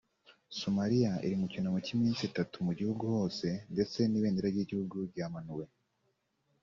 Somalia iri mu cyunamo cy’iminsi itatu mu gihugu hose ndetse n’ibendera ry’Igihugu ryamanuwe